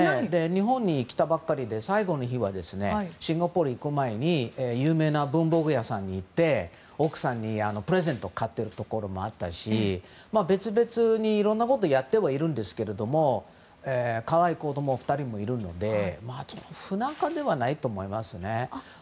日本に来たばかりで最後の日はシンガポールに行く前に有名な文房具屋さんに行って奥さんにプレゼントを買ってるところもあったし別々にいろんなことをやってはいるんですがかわいい子供２人もいるので不仲ではないと思いますね。